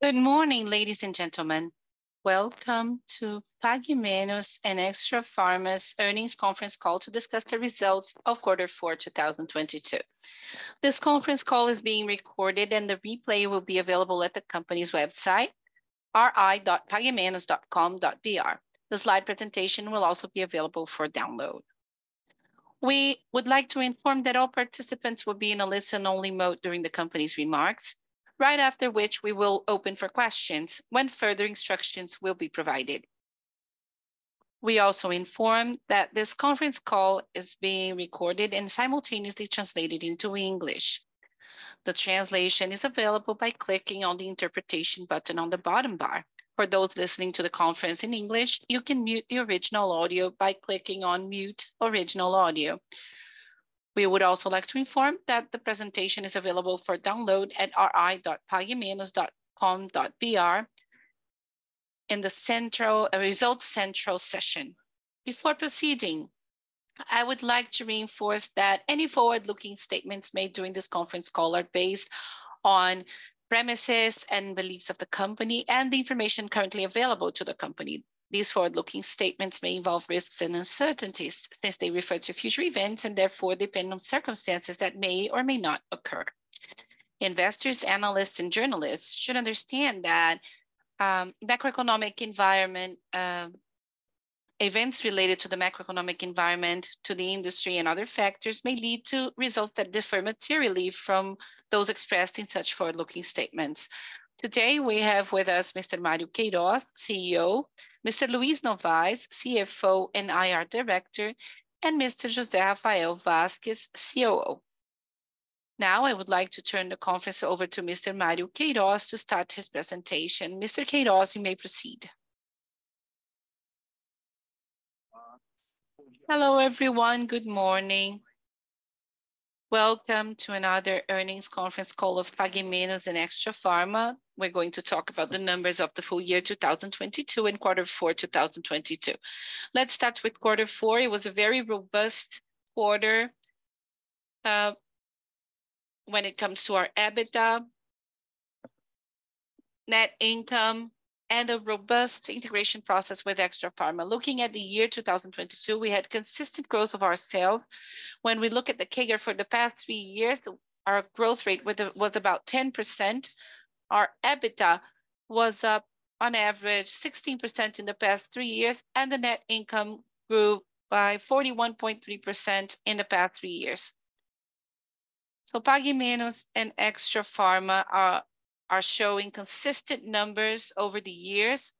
Good morning, ladies and gentlemen. Welcome to Pague Menos and Extrafarma's Earnings Conference Call to discuss the Results of Quarter Four, 2022. This conference call is being recorded, and the replay will be available at the company's website ri.paguemenos.com.br. The slide presentation will also be available for download. We would like to inform that all participants will be in a listen-only mode during the company's remarks. Right after which, we will open for questions when further instructions will be provided. We also inform that this conference call is being recorded and simultaneously translated into English. The translation is available by clicking on the interpretation button on the bottom bar. For those listening to the conference in English, you can mute the original audio by clicking on Mute Original Audio. We would also like to inform that the presentation is available for download at ri.paguemenos.com.br In the results central session. Before proceeding, I would like to reinforce that any forward-looking statements made during this conference call are based on premises and beliefs of the company and the information currently available to the company. These forward-looking statements may involve risks and uncertainties, since they refer to future events and therefore depend on circumstances that may or may not occur. Investors, analysts, and journalists should understand that macroeconomic environment, events related to the macroeconomic environment to the industry and other factors may lead to results that differ materially from those expressed in such forward-looking statements. Today, we have with us Mr. Mário Queirós, CEO. Mr. Luiz Novais, CFO and IR Director, and Mr. José Rafael Vasquez, COO. Now, I would like to turn the conference over to Mr. Mário Queirós to start his presentation. Mr. Queirós, you may proceed. Hello, everyone. Good morning. Welcome to another Earnings Conference Call of Pague Menos and Extrafarma. We're going to talk about the numbers of the full year 2022 and quarter four, 2022. Let's start with quarter four. It was a very robust quarter, when it comes to our EBITDA, net income, and a robust integration process with Extrafarma. Looking at the year 2022, we had consistent growth of our sales. When we look at the CAGR for the past three years, our growth rate was about 10%. Our EBITDA was up on average 16% in the past three years, and the net income grew by 41.3% in the past three years. Pague Menos and Extrafarma are showing consistent numbers over the years.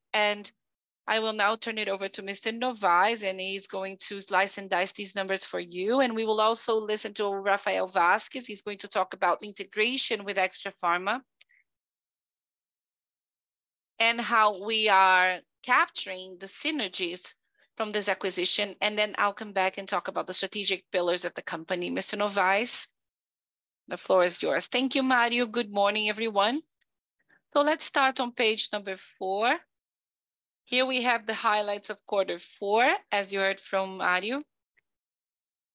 I will now turn it over to Mr. Novais, he's going to slice and dice these numbers for you. We will also listen to Rafael Vasquez, he's going to talk about integration with Extrafarma and how we are capturing the synergies from this acquisition. Then I'll come back and talk about the strategic pillars of the company. Mr. Novais, the floor is yours. Thank you, Mário. Good morning, everyone. Let's start on page number four. Here we have the highlights of quarter four, as you heard from Mário.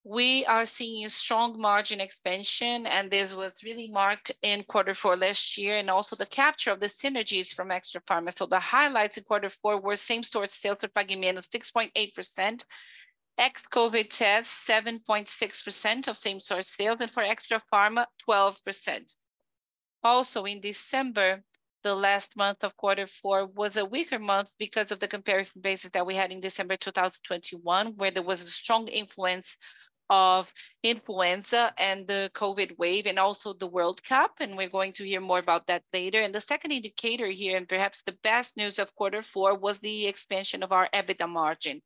We are seeing strong margin expansion, this was really marked in quarter four last year, also the capture of the synergies from Extrafarma. The highlights in quarter four were same-store sales for Pague Menos 6.8%. Ex-COVID tests, 7.6% of same-store sales, and for Extrafarma, 12%. In December, the last month of quarter four was a weaker month because of the comparison basis that we had in December 2021, where there was a strong influence of influenza and the COVID wave and also the World Cup. We're going to hear more about that later. The second indicator here, and perhaps the best news of quarter four was the expansion of our EBITDA margin.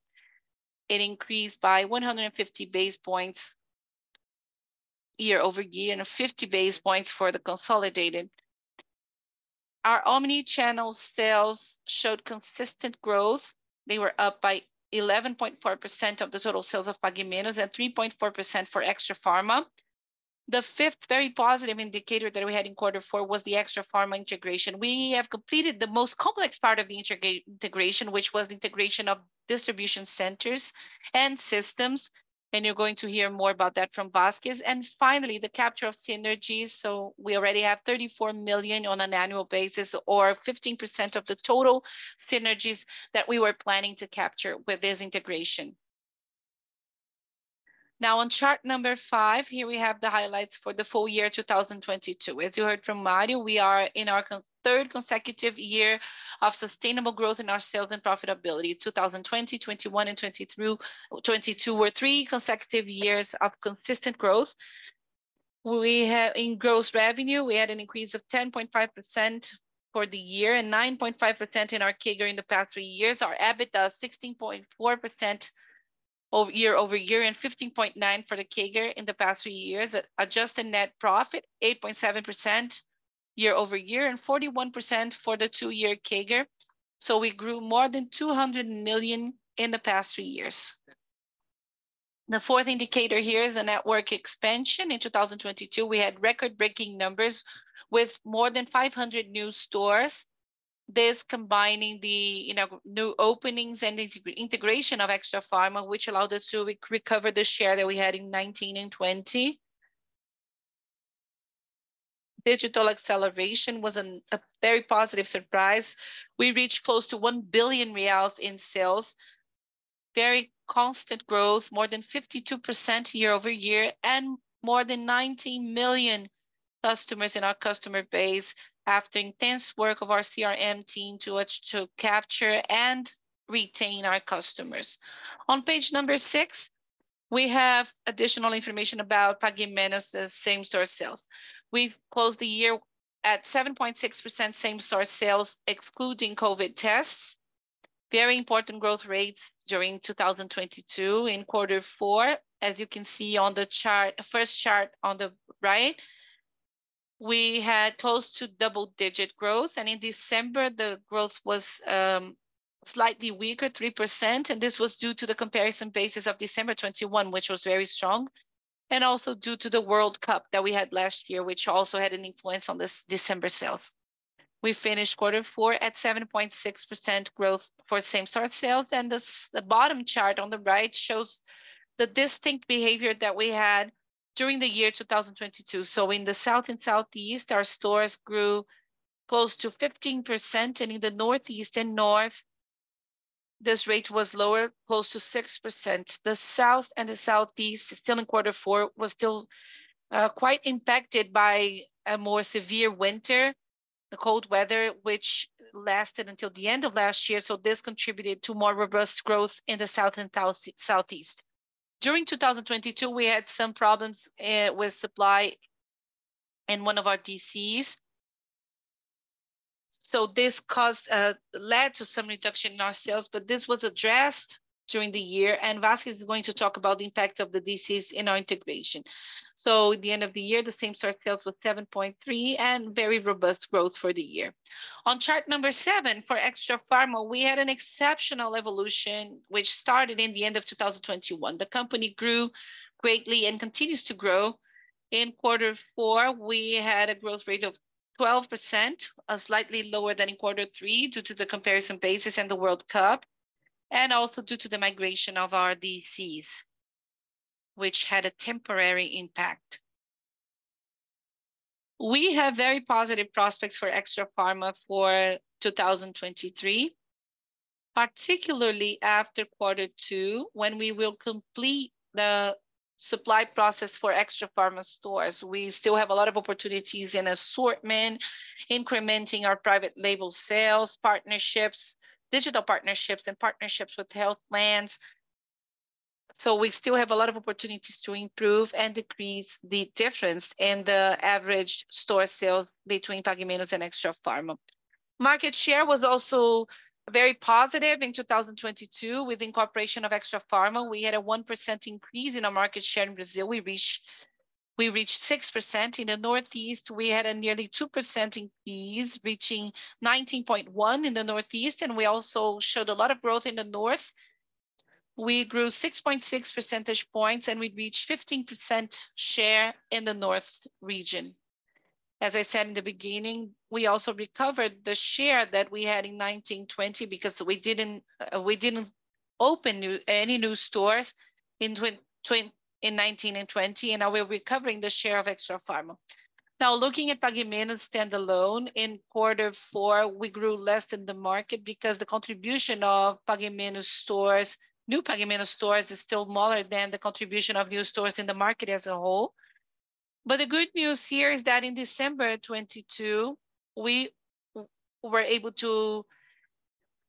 It increased by 150 basis points year-over-year, and 50 basis points for the consolidated. Our omni-channel sales showed consistent growth. They were up by 11.4% of the total sales of Pague Menos and 3.4% for Extrafarma. The fifth very positive indicator that we had in quarter four was the Extrafarma integration. We have completed the most complex part of the integration, which was integration of distribution centers and systems, and you're going to hear more about that from Vasquez. Finally, the capture of synergies. We already have 34 million on an annual basis or 15% of the total synergies that we were planning to capture with this integration. On chart number five, here we have the highlights for the full year 2022. As you heard from Mário, we are in our third consecutive year of sustainable growth in our sales and profitability. 2020, 2021, and 2022 were three consecutive years of consistent growth. In gross revenue, we had an increase of 10.5% for the year and 9.5% in our CAGR in the past three years. Our EBITDA is 16.4% year-over-year and 15.9% for the CAGR in the past three years. Adjusted net profit, 8.7% year-over-year and 41% for the two-year CAGR. We grew more than 200 million in the past three years. The fourth indicator here is the network expansion. In 2022, we had record-breaking numbers with more than 500 new stores. This combining the, you know, new openings and the integration of Extrafarma, which allowed us to recover the share that we had in 2019 and 2020. Digital acceleration was a very positive surprise. We reached close to 1 billion reais in sales. Very constant growth, more than 52% year-over-year, more than 19 million customers in our customer base after intense work of our CRM team to capture and retain our customers. On page number six, we have additional information about Pague Menos' same-store sales. We've closed the year at 7.6% same-store sales, excluding COVID tests. Very important growth rates during 2022 in quarter four. As you can see on the chart, first chart on the right, we had close to double-digit growth. In December, the growth was slightly weaker, 3%, and this was due to the comparison basis of December 2021, which was very strong, also due to the World Cup that we had last year, which also had an influence on this December sales. We finished quarter four at 7.6% growth for same-store sales. The bottom chart on the right shows the distinct behavior that we had during the year 2022. In the South and Southeast, our stores grew close to 15%, and in the Northeast and North, this rate was lower, close to 6%. The South and the Southeast, still in Q4, was still quite impacted by a more severe winter, the cold weather, which lasted until the end of last year. This contributed to more robust growth in the South and Southeast. During 2022, we had some problems with supply in one of our DCs. This caused led to some reduction in our sales, but this was addressed during the year, and Vasquez is going to talk about the impact of the DCs in our integration. At the end of the year, the same-store sales was 7.3% and very robust growth for the year. On chart number seven, for Extrafarma, we had an exceptional evolution, which started in the end of 2021. The company grew greatly and continues to grow. In quarter four, we had a growth rate of 12%, slightly lower than in quarter three due to the comparison basis in the World Cup, and also due to the migration of our DCs, which had a temporary impact. We have very positive prospects for Extrafarma for 2023, particularly after quarter two, when we will complete the supply process for Extrafarma stores. We still have a lot of opportunities in assortment, incrementing our private label sales, partnerships, digital partnerships and partnerships with health plans. We still have a lot of opportunities to improve and decrease the difference in the average store sale between Pague Menos and Extrafarma. Market share was also very positive in 2022. With incorporation of Extrafarma, we had a 1% increase in our market share in Brazil. We reached 6%. In the Northeast, we had a nearly 2% increase, reaching 19.1% in the Northeast, and we also showed a lot of growth in the North. We grew 6.6 percentage points, and we reached 15% share in the North region. As I said in the beginning, we also recovered the share that we had in 2019–2020 because we didn't open any new stores in 2019 and 2020, and now we're recovering the share of Extrafarma. Now looking at Pague Menos standalone, in quarter four, we grew less than the market because the contribution of Pague Menos stores, new Pague Menos stores is still smaller than the contribution of new stores in the market as a whole. The good news here is that in December 2022, we were able to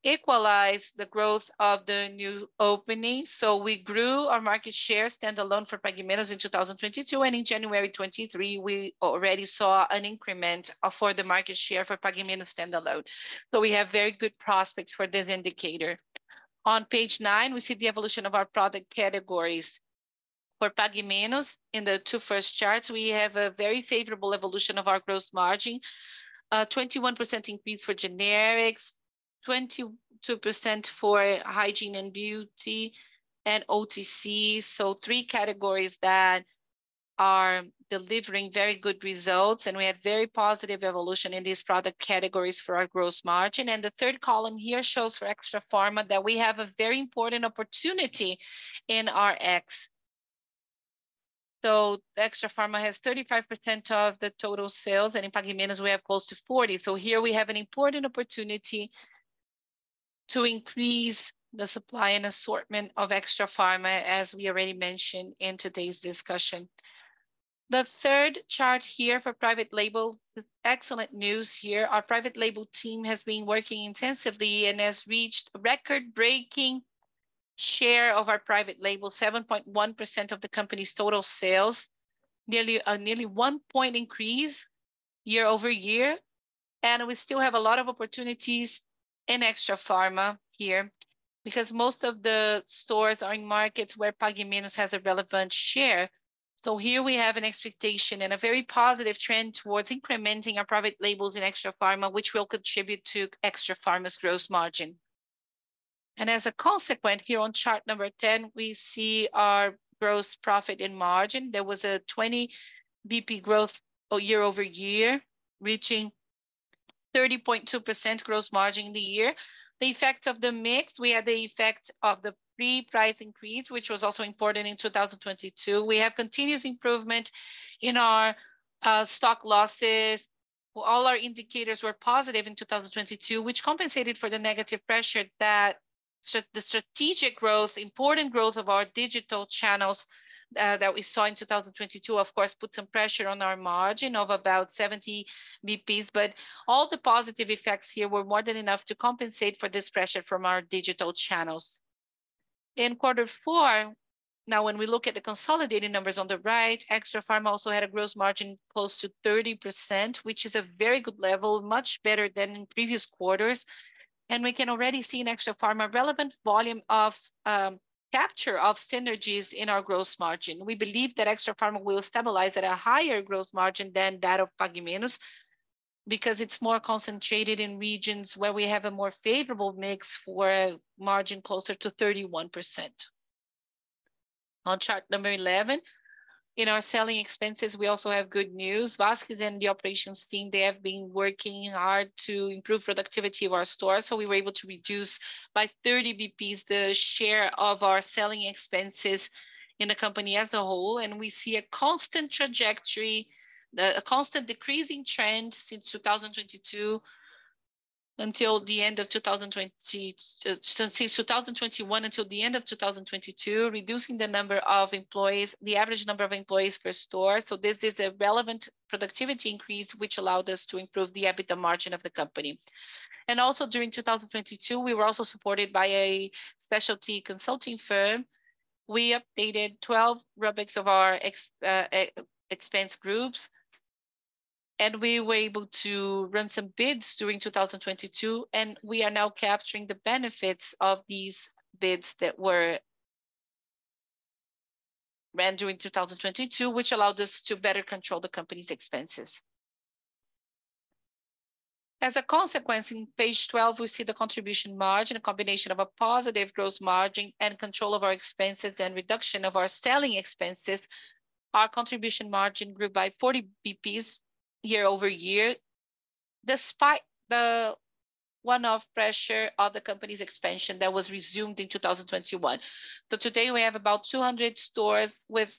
equalize the growth of the new openings. We grew our market share standalone for Pague Menos in 2022, and in January 2023, we already saw an increment for the market share for Pague Menos standalone. We have very good prospects for this indicator. On page nine, we see the evolution of our product categories. For Pague Menos, in the two first charts, we have a very favorable evolution of our gross margin. 21% increase for generics, 22% for hygiene and beauty, and OTC, so three categories that are delivering very good results, and we had very positive evolution in these product categories for our gross margin. The third column here shows for Extrafarma that we have a very important opportunity in RX. Extrafarma has 35% of the total sales, and in Pague Menos we have close to 40%. Here we have an important opportunity to increase the supply and assortment of Extrafarma, as we already mentioned in today's discussion. The third chart here for private label, excellent news here. Our private label team has been working intensively and has reached record-breaking share of our private label, 7.1% of the company's total sales, nearly one point increase year-over-year. We still have a lot of opportunities in Extrafarma here, because most of the stores are in markets where Pague Menos has a relevant share. Here we have an expectation and a very positive trend towards incrementing our private labels in Extrafarma, which will contribute to Extrafarma's gross margin. As a consequence, here on chart number 10, we see our gross profit and margin. There was a 20 basis points growth year-over-year, reaching 30.2% gross margin in the year. The effect of the mix, we had the effect of the pre-price increase, which was also important in 2022. We have continuous improvement in our stock losses. All our indicators were positive in 2022, which compensated for the negative pressure. The strategic growth, the important growth of our digital channels that we saw in 2022, of course, put some pressure on our margin of about 70 basis points, but all the positive effects here were more than enough to compensate for this pressure from our digital channels. In quarter four, now when we look at the consolidated numbers on the right, Extrafarma also had a gross margin close to 30%, which is a very good level, much better than in previous quarters, and we can already see in Extrafarma relevant volume of capture of synergies in our gross margin. We believe that Extrafarma will stabilize at a higher gross margin than that of Pague Menos, because it's more concentrated in regions where we have a more favorable mix for a margin closer to 31%. On chart number 11, in our selling expenses, we also have good news. Vasquez and the operations team, they have been working hard to improve productivity of our stores, we were able to reduce by 30 basis points the share of our selling expenses in the company as a whole. We see a constant trajectory, a constant decreasing trend since 2021 until the end of 2022, reducing the number of employees, the average number of employees per store. This is a relevant productivity increase, which allowed us to improve the EBITDA margin of the company. Also during 2022, we were also supported by a specialty consulting firm. We updated 12 rubrics of our expense groups, and we were able to run some bids during 2022, and we are now capturing the benefits of these bids that were ran during 2022, which allowed us to better control the company's expenses. As a consequence, in page 12, we see the contribution margin, a combination of a positive gross margin and control of our expenses and reduction of our selling expenses. Our contribution margin grew by 40 basis points year-over-year, despite the one-off pressure of the company's expansion that was resumed in 2021. Today we have about 200 stores with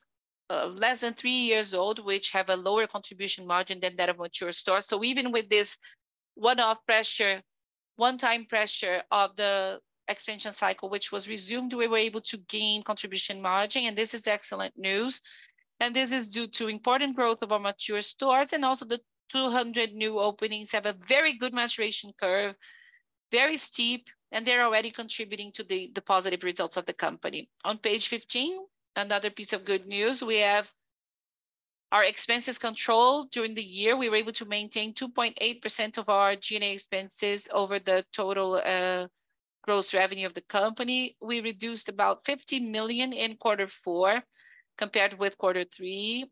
less than three years old, which have a lower contribution margin than that of mature stores. Even with this one-off pressure, one-time pressure of the expansion cycle which was resumed, we were able to gain contribution margin, and this is excellent news. This is due to important growth of our mature stores, and also the 200 new openings have a very good maturation curve, very steep, and they're already contributing to the positive results of the company. On page 15, another piece of good news, we have our expenses controlled. During the year, we were able to maintain 2.8% of our G&A expenses over the total gross revenue of the company. We reduced about 50 million in quarter four compared with quarter three.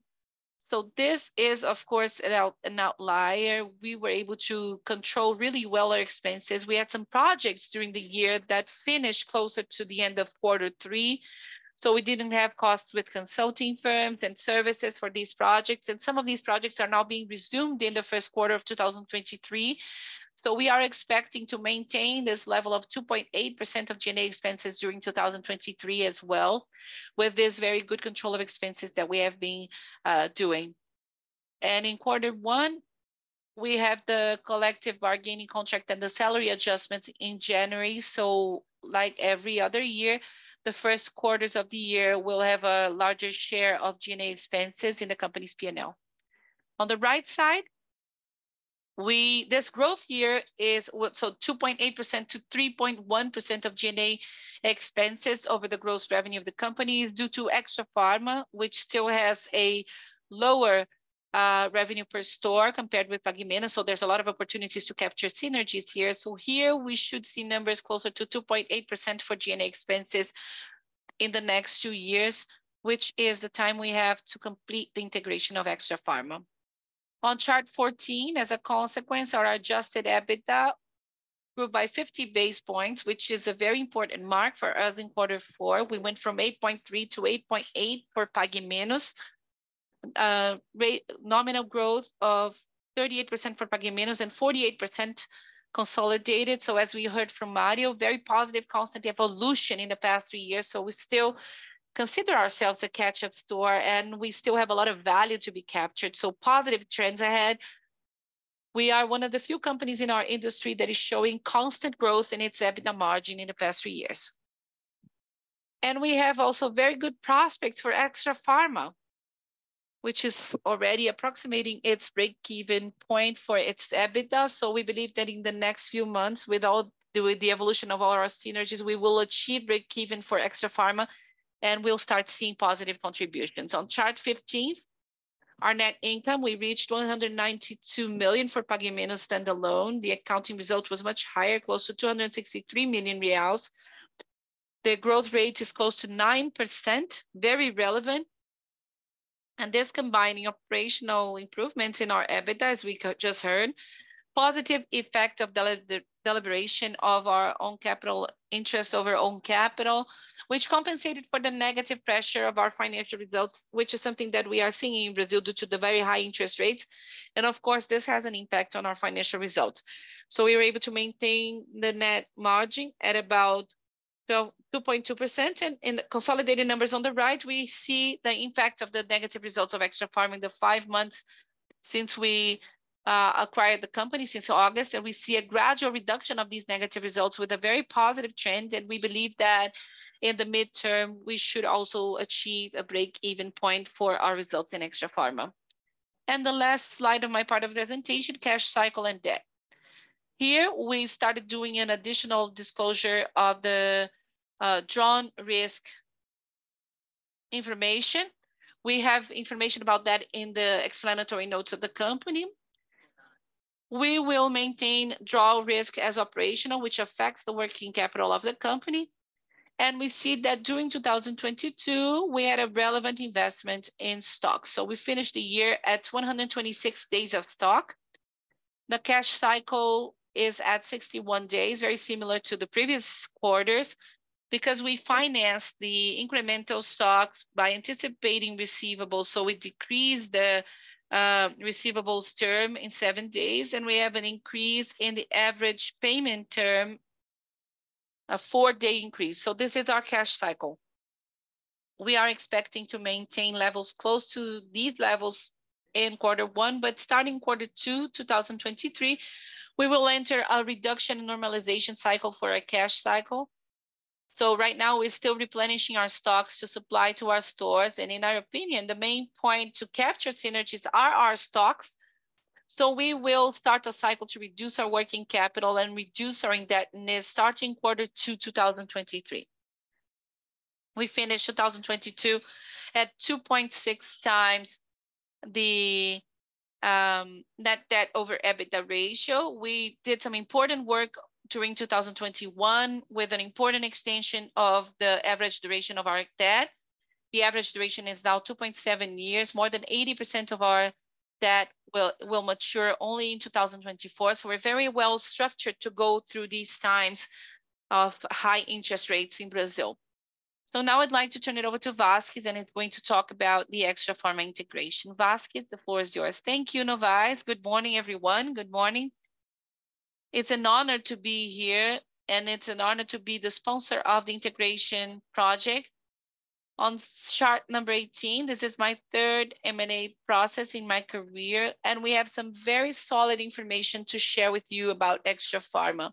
This is, of course, an outlier. We were able to control really well our expenses. We had some projects during the year that finished closer to the end of quarter three, so we didn't have costs with consulting firms and services for these projects, and some of these projects are now being resumed in the first quarter of 2023. We are expecting to maintain this level of 2.8% of G&A expenses during 2023 as well, with this very good control of expenses that we have been doing. In quarter one, we have the collective bargaining contract and the salary adjustments in January. Like every other year, the first quarters of the year will have a larger share of G&A expenses in the company's P&L. This growth year is what, 2.8%-3.1% of G&A expenses over the gross revenue of the company is due to Extrafarma, which still has a lower revenue per store compared with Pague Menos. There's a lot of opportunities to capture synergies here. Here we should see numbers closer to 2.8% for G&A expenses in the next two years, which is the time we have to complete the integration of Extrafarma. On chart 14, as a consequence, our adjusted EBITDA grew by 50 basis points, which is a very important mark for us in quarter four. We went from 8.3% to 8.8% for Pague Menos. rate, nominal growth of 38% for Pague Menos and 48% consolidated. As we heard from Mário, very positive constant evolution in the past three years, so we still consider ourselves a catch-up store, and we still have a lot of value to be captured, so positive trends ahead. We are one of the few companies in our industry that is showing constant growth in its EBITDA margin in the past three years. We have also very good prospects for Extrafarma, which is already approximating its break-even point for its EBITDA. We believe that in the next few months, with all the evolution of all our synergies, we will achieve break even for Extrafarma, and we'll start seeing positive contributions. On chart 15, our net income, we reached 192 million for Pague Menos standalone. The accounting result was much higher, close to 263 million reais. The growth rate is close to 9%, very relevant. This combining operational improvements in our EBITDA, as we just heard, positive effect of the deliberation of our own capital interest over own capital, which compensated for the negative pressure of our financial results, which is something that we are seeing in Brazil due to the very high interest rates. Of course, this has an impact on our financial results. We were able to maintain the net margin at about 2.2%. In the consolidated numbers on the right, we see the impact of the negative results of Extrafarma in the five months since we acquired the company, since August. We see a gradual reduction of these negative results with a very positive trend. We believe that in the midterm, we should also achieve a break-even point for our results in Extrafarma. The last slide of my part of the presentation, cash cycle and debt. Here, we started doing an additional disclosure of the drawn risk information. We have information about that in the explanatory notes of the company. We will maintain draw risk as operational, which affects the working capital of the company. We see that during 2022, we had a relevant investment in stocks. We finished the year at 126 days of stock. The cash cycle is at 61 days, very similar to the previous quarters because we financed the incremental stocks by anticipating receivables, we decreased the receivables term in seven days, and we have an increase in the average payment term, a four-day increase. This is our cash cycle. We are expecting to maintain levels close to these levels in quarter one, starting quarter two, 2023, we will enter a reduction normalization cycle for our cash cycle. Right now, we're still replenishing our stocks to supply to our stores, and in our opinion, the main point to capture synergies are our stocks. We will start a cycle to reduce our working capital and reduce our indebtedness starting quarter two, 2023. We finished 2022 at 2.6x the net debt/EBITDA ratio. We did some important work during 2021 with an important extension of the average duration of our debt. The average duration is now 2.7 years. More than 80% of our debt will mature only in 2024, we're very well structured to go through these times of high interest rates in Brazil. Now I'd like to turn it over to Vasquez, and he's going to talk about the Extrafarma integration. Vasquez, the floor is yours. Thank you, Novais. Good morning, everyone. Good morning. It's an honor to be here, and it's an honor to be the sponsor of the integration project. On chart number 18, this is my third M&A process in my career, and we have some very solid information to share with you about Extrafarma.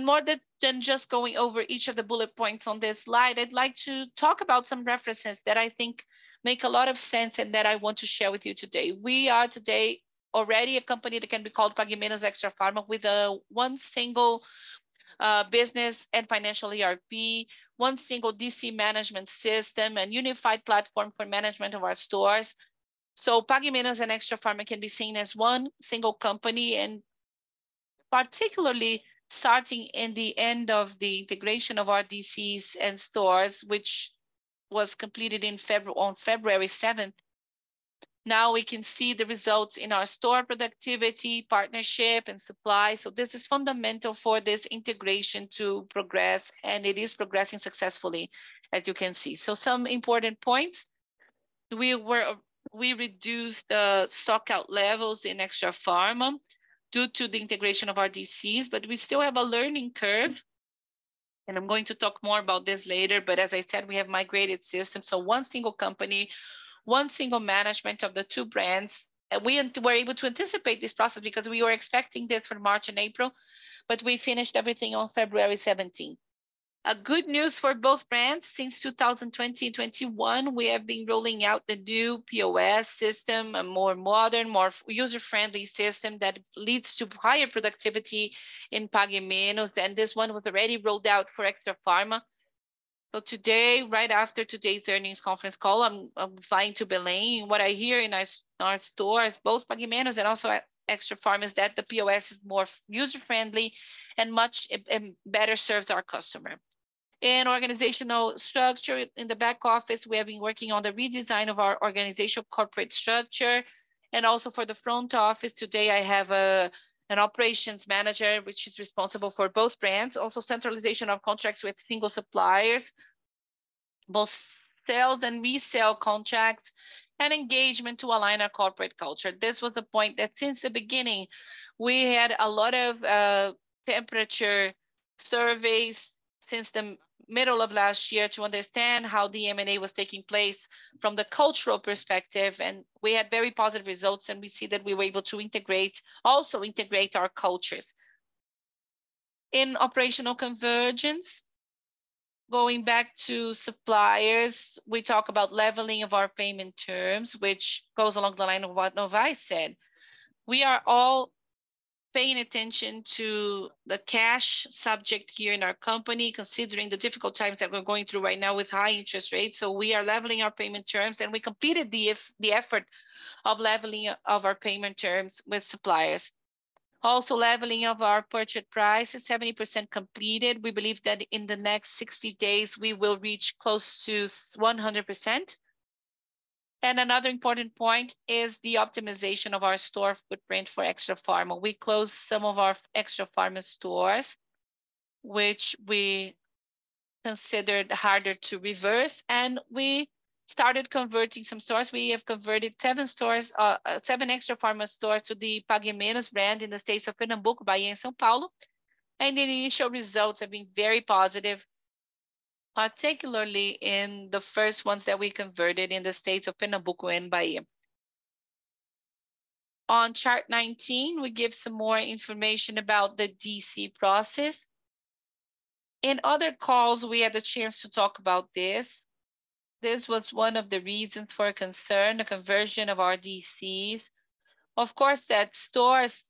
More than just going over each of the bullet points on this slide, I'd like to talk about some references that I think make a lot of sense and that I want to share with you today. We are today already a company that can be called Pague Menos Extrafarma with one single business and financial ERP, one single DC management system, and unified platform for management of our stores. Pague Menos and Extrafarma can be seen as one single company, and particularly starting in the end of the integration of our DCs and stores, which was completed on February seventh. We can see the results in our store productivity, partnership, and supply, so this is fundamental for this integration to progress, and it is progressing successfully, as you can see. Some important points. We reduced the stockout levels in Extrafarma due to the integration of our DCs, but we still have a learning curve, and I'm going to talk more about this later. As I said, we have migrated systems, so one single company, one single management of the two brands. We were able to anticipate this process because we were expecting that for March and April, but we finished everything on February 17th. Good news for both brands, since 2020–2021, we have been rolling out the new POS system, a more modern, more user-friendly system that leads to higher productivity in Pague Menos. This one was already rolled out for Extrafarma. Today, right after today's earnings conference call, I'm flying to Belém, and what I hear in our stores, both Pague Menos and also at Extrafarma, is that the POS is more user-friendly and much better serves our customer. In organizational structure, in the back office, we have been working on the redesign of our organizational corporate structure. Also for the front office today, I have an operations manager which is responsible for both brands. Also, centralization of contracts with single suppliers, both sell then resell contracts, engagement to align our corporate culture. This was the point that since the beginning, we had a lot of temperature surveys since the middle of last year to understand how the M&A was taking place from the cultural perspective. We had very positive results. We see that we were able to integrate, also integrate our cultures. In operational convergence, going back to suppliers, we talk about leveling of our payment terms, which goes along the line of what Novais said. We are all paying attention to the cash subject here in our company, considering the difficult times that we're going through right now with high interest rates. We are leveling our payment terms. We completed the effort of leveling of our payment terms with suppliers. Leveling of our purchase price is 70% completed. We believe that in the next 60 days, we will reach close to 100%. Another important point is the optimization of our store footprint for Extrafarma. We closed some of our Extrafarma stores which we considered harder to reverse, and we started converting some stores. We have converted seven stores, seven Extrafarma stores to the Pague Menos brand in the states of Pernambuco, Bahia, and São Paulo, and the initial results have been very positive, particularly in the first ones that we converted in the states of Pernambuco and Bahia. On chart 19, we give some more information about the DC process. In other calls, we had the chance to talk about this. This was one of the reasons for concern, the conversion of our DCs. Of course, that stores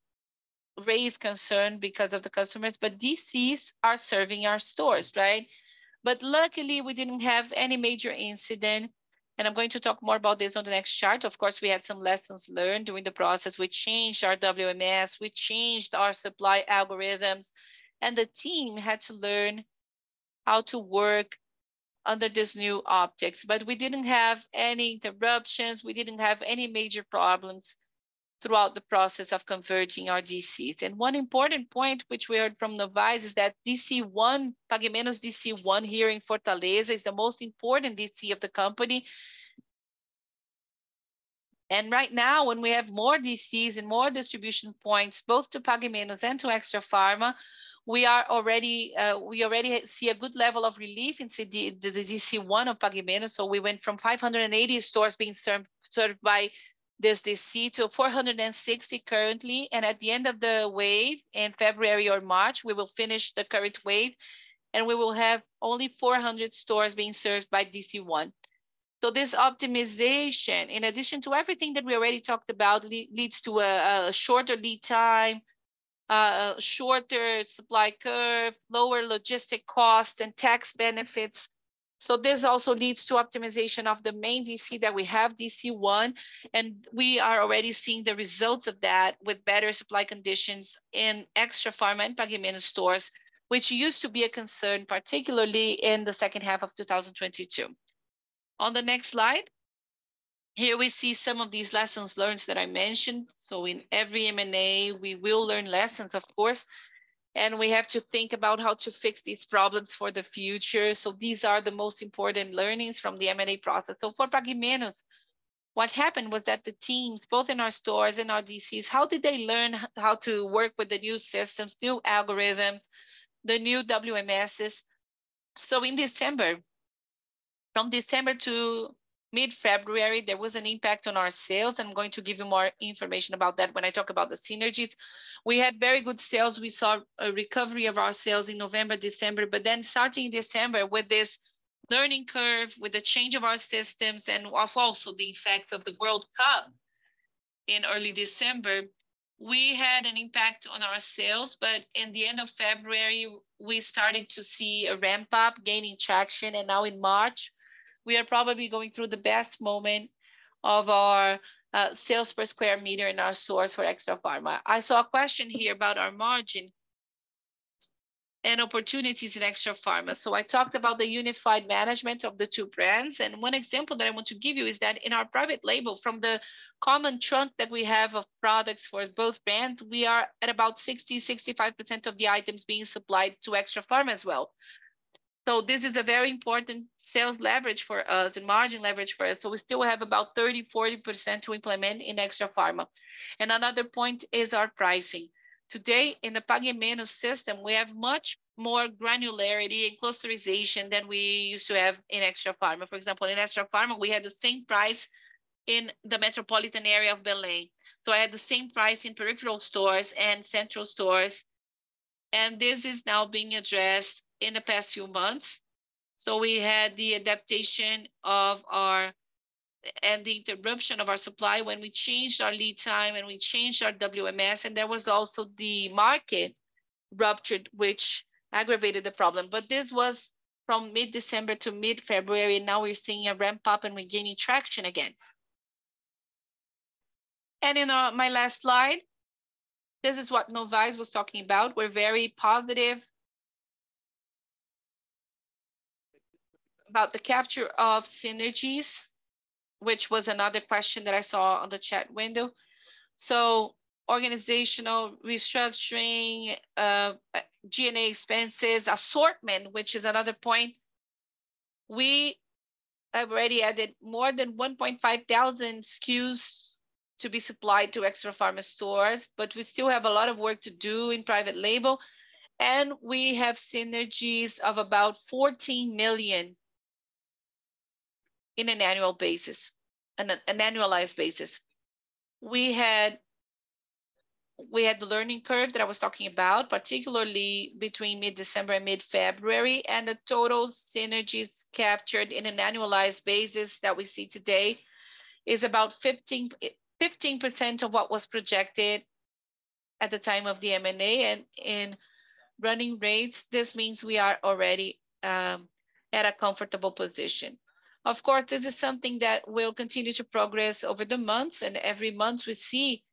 raise concern because of the customers, but DCs are serving our stores, right? Luckily, we didn't have any major incident, and I'm going to talk more about this on the next chart. Of course, we had some lessons learned during the process. We changed our WMS, we changed our supply algorithms, and the team had to learn how to work under this new optics. We didn't have any interruptions, we didn't have any major problems throughout the process of converting our DCs. One important point, which we heard from Novais, is that DC 1, Pague Menos DC 1 here in Fortaleza is the most important DC of the company. Right now, when we have more DCs and more distribution points, both to Pague Menos and to Extrafarma, we already see a good level of relief in the DC 1 of Pague Menos. We went from 580 stores being served by this DC to 460 currently. At the end of the wave, in February or March, we will finish the current wave, and we will have only 400 stores being served by DC 1. This optimization, in addition to everything that we already talked about, leads to a shorter lead time, a shorter supply curve, lower logistic cost, and tax benefits. This also leads to optimization of the main DC that we have, DC 1, and we are already seeing the results of that with better supply conditions in Extrafarma and Pague Menos stores, which used to be a concern, particularly in the second half of 2022. On the next slide, here we see some of these lessons learned that I mentioned. In every M&A, we will learn lessons, of course, and we have to think about how to fix these problems for the future. These are the most important learnings from the M&A process. For Pague Menos, what happened was that the teams, both in our stores and our DCs, how did they learn how to work with the new systems, new algorithms, the new WMSs? In December, from December to mid-February, there was an impact on our sales, and I'm going to give you more information about that when I talk about the synergies. We had very good sales. We saw a recovery of our sales in November, December. Starting December, with this learning curve, with the change of our systems and of also the effects of the World Cup in early December, we had an impact on our sales. In the end of February, we started to see a ramp-up gaining traction. Now in March, we are probably going through the best moment of our sales per square meter in our stores for Extrafarma. I saw a question here about our margin and opportunities in Extrafarma. I talked about the unified management of the two brands, and one example that I want to give you is that in our private label, from the common trunk that we have of products for both brands, we are at about 60%-65% of the items being supplied to Extrafarma as well. This is a very important sales leverage for us and margin leverage for it. We still have about 30%-40% to implement in Extrafarma. Another point is our pricing. Today, in the Pague Menos system, we have much more granularity and clusterization than we used to have in Extrafarma. For example, in Extrafarma, we had the same price in the metropolitan area of Belém. I had the same price in peripheral stores and central stores, and this is now being addressed in the past few months. We had the adaptation of our and the interruption of our supply when we changed our lead time and we changed our WMS, and there was also the market ruptured, which aggravated the problem. This was from mid-December to mid-February. Now we're seeing a ramp-up and regaining traction again. In my last slide, this is what Novais was talking about. We're very positive about the capture of synergies, which was another question that I saw on the chat window. Organizational restructuring, G&A expenses, assortment, which is another point. We already added more than 1,500 SKUs to be supplied to Extrafarma stores, we still have a lot of work to do in private label, we have synergies of about 14 million in an annualized basis. We had the learning curve that I was talking about, particularly between mid-December and mid-February, the total synergies captured in an annualized basis that we see today is about 15% of what was projected at the time of the M&A. In running rates, this means we are already at a comfortable position. Of course, this is something that will continue to progress over the months, every month we see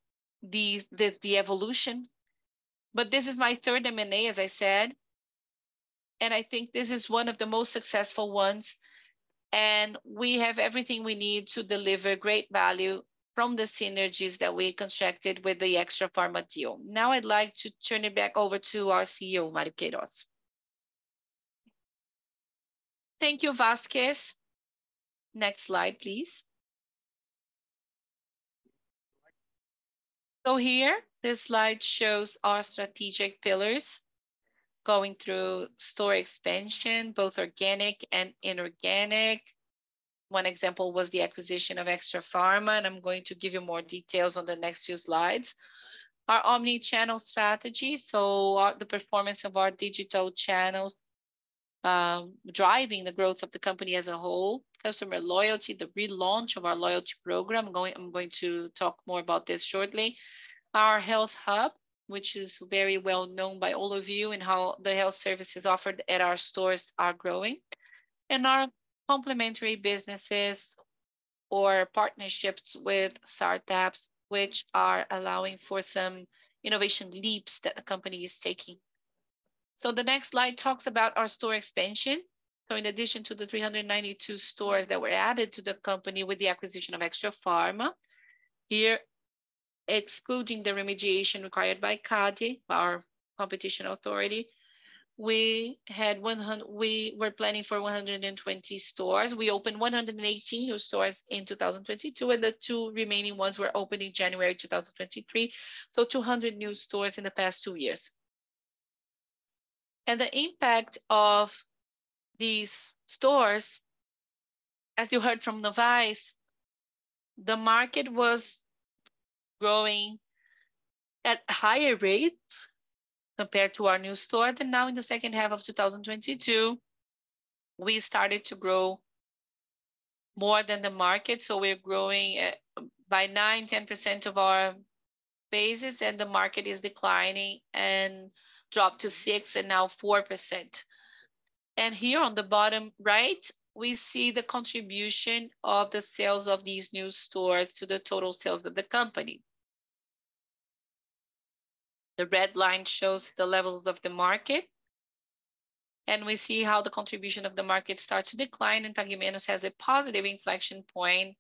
the evolution. This is my third M&A, as I said, and I think this is one of the most successful ones, and we have everything we need to deliver great value from the synergies that we constructed with the Extrafarma deal. Now I'd like to turn it back over to our CEO, Mário Queirós. Thank you, Vasquez. Next slide, please. Here, this slide shows our strategic pillars going through store expansion, both organic and inorganic. One example was the acquisition of Extrafarma, and I'm going to give you more details on the next few slides. Our omni-channel strategy, the performance of our digital channels, driving the growth of the company as a whole. Customer loyalty, the relaunch of our loyalty program. I'm going to talk more about this shortly. Our Health Hub, which is very well known by all of you, and how the health services offered at our stores are growing. Our complementary businesses or partnerships with startups, which are allowing for some innovation leaps that the company is taking. The next slide talks about our store expansion. In addition to the 392 stores that were added to the company with the acquisition of Extrafarma, here, excluding the remediation required by CADE, our competition authority, we were planning for 120 stores. We opened 118 new stores in 2022, and the two remaining ones were opened in January 2023. 200 new stores in the past two years. The impact of these stores, as you heard from Novais, the market was growing at higher rates compared to our new stores. Now in the second half of 2022, we started to grow more than the market. We're growing at by 9%—10% of our bases, and the market is declining and dropped to 6% and now 4%. Here on the bottom right, we see the contribution of the sales of these new stores to the total sales of the company. The red line shows the levels of the market, and we see how the contribution of the market starts to decline. Pague Menos has a positive inflection point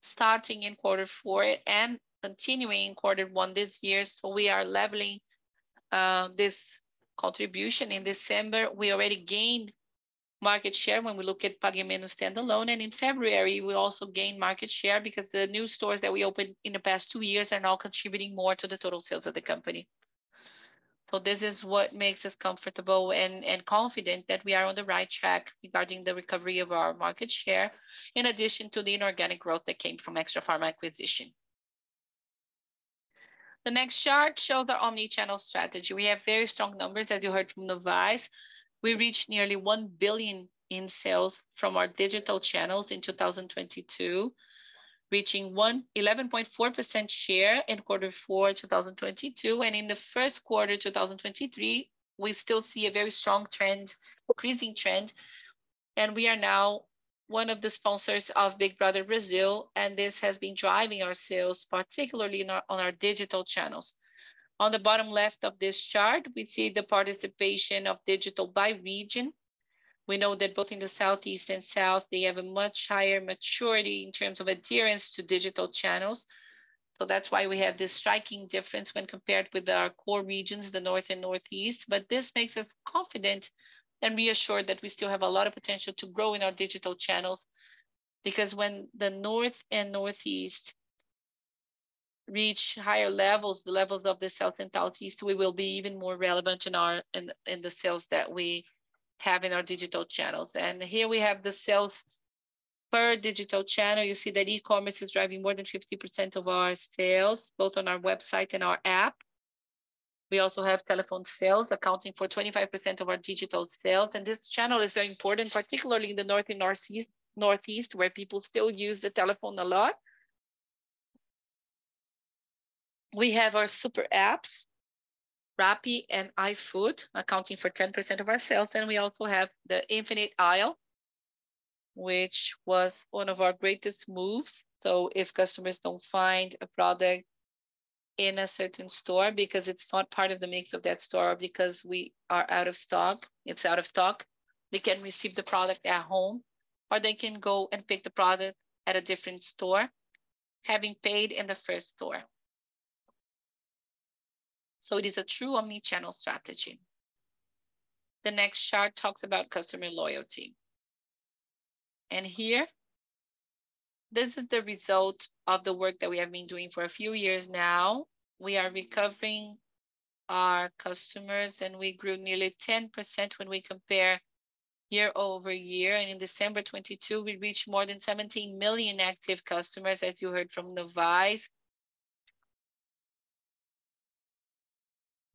starting in quarter four and continuing in quarter one this year, so we are leveling this contribution. In December, we already gained market share when we look at Pague Menos standalone. In February, we also gained market share because the new stores that we opened in the past two years are now contributing more to the total sales of the company. This is what makes us comfortable and confident that we are on the right track regarding the recovery of our market share, in addition to the inorganic growth that came from Extrafarma acquisition. The next chart show the omni-channel strategy. We have very strong numbers, as you heard from Novais. We reached nearly 1 billion in sales from our digital channels in 2022, reaching 11.4% share in Q4 2022. In the first quarter 2023, we still see a very strong trend, increasing trend. We are now one of the sponsors of Big Brother Brasil, and this has been driving our sales, particularly on our digital channels. On the bottom left of this chart, we see the participation of digital by region. We know that both in the Southeast and South, they have a much higher maturity in terms of adherence to digital channels. That's why we have this striking difference when compared with our core regions, the North and Northeast. This makes us confident and reassured that we still have a lot of potential to grow in our digital channel, because when the North and Northeast reach higher levels, the levels of the South and Southeast, we will be even more relevant in the sales that we have in our digital channels. Here we have the sales per digital channel. You see that e-commerce is driving more than 50% of our sales, both on our website and our app. We also have telephone sales accounting for 25% of our digital sales. This channel is very important, particularly in the North and Northeast, where people still use the telephone a lot. We have our super apps, Rappi and iFood, accounting for 10% of our sales. We also have the Infinite Aisle, which was one of our greatest moves. If customers don't find a product in a certain store because it's not part of the mix of that store, because we are out of stock, it's out of stock, they can receive the product at home, or they can go and pick the product at a different store, having paid in the first store. It is a true omni-channel strategy. The next chart talks about customer loyalty. Here, this is the result of the work that we have been doing for a few years now. We are recovering our customers, and we grew nearly 10% when we compare year-over-year. In December 2022, we reached more than 17 million active customers, as you heard from Novais.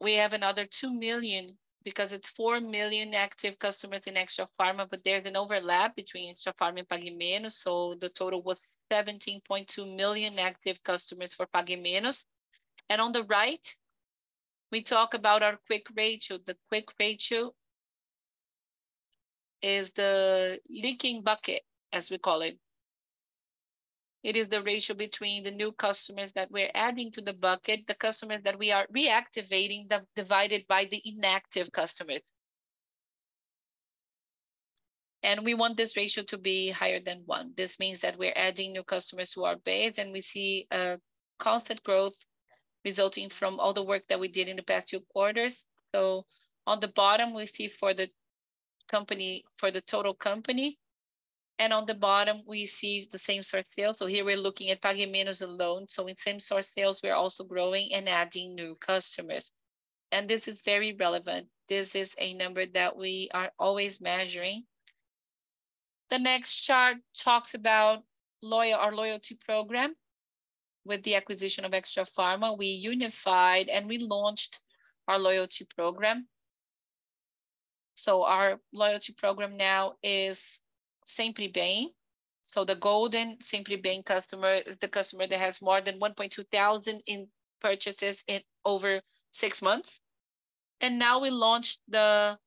We have another two million, because it's four million active customers in Extrafarma, but there's an overlap between Extrafarma and Pague Menos, so the total was 17.2 million active customers for Pague Menos. On the right, we talk about our quick ratio. The quick ratio is the leaking bucket, as we call it. It is the ratio between the new customers that we're adding to the bucket, the customers that we are reactivating them, divided by the inactive customers. We want this ratio to be higher than one. This means that we're adding new customers to our base, and we see a constant growth resulting from all the work that we did in the past two quarters. On the bottom, we see for the total company, and on the bottom we see the same-store sales. Here we're looking at Pague Menos alone. In same-store sales we are also growing and adding new customers. This is very relevant. This is a number that we are always measuring. The next chart talks about our loyalty program. With the acquisition of Extrafarma, we unified and relaunched our loyalty program. Our loyalty program now is Sempre Bem. The Golden Sempre Bem customer, the customer that has more than 1,200 in purchases in over six months. Now we launched our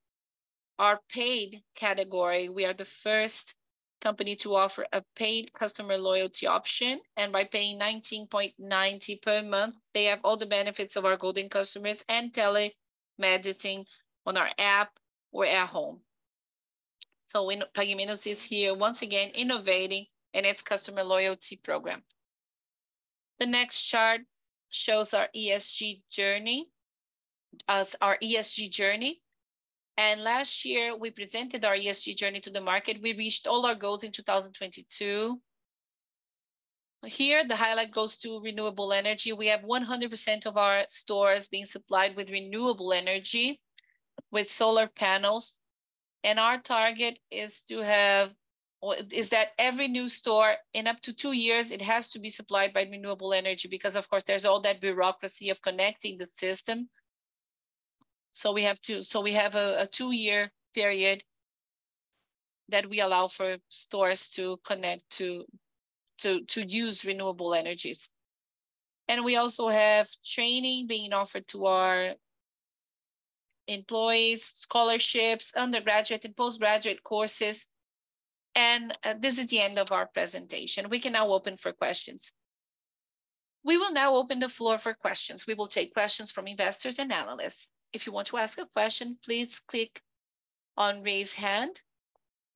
paid category. We are the first company to offer a paid customer loyalty option, and by paying 19.90 per month, they have all the benefits of our Golden customers and telemedicine on our app or at home. Pague Menos is here once again innovating in its customer loyalty program. The next chart shows our ESG journey. Last year we presented our ESG journey to the market. We reached all our goals in 2022. Here, the highlight goes to renewable energy. We have 100% of our stores being supplied with renewable energy with solar panels. Our target is to have every new store in up to two years, it has to be supplied by renewable energy, because of course there's all that bureaucracy of connecting the system. We have a two-year period that we allow for stores to connect to use renewable energies. We also have training being offered to our employees, scholarships, undergraduate and postgraduate courses. This is the end of our presentation. We can now open for questions. We will now open the floor for questions. We will take questions from investors and analysts. If you want to ask a question, please click on Raise Hand.